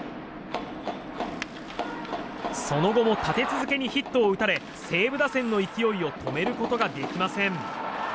その後も立て続けにヒットを打たれ西武打線の勢いを止めることができません。